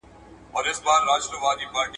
ماشوم له فشار څخه خوندي دی.